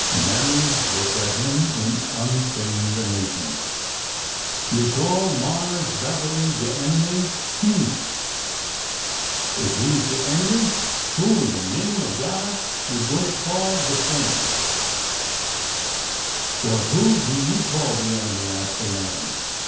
Mammy looked at him in unfeigned amazement. ''You call Marse Beverly de enemy? Humph! Ef he 's de enemy, who in de name er God you gwineter call de frien'sf' "Well, who do you call the enemy?" asked the man.